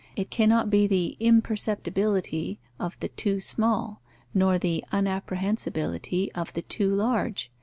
It cannot be the imperceptibility of the too small, nor the unapprehensibility of the too large.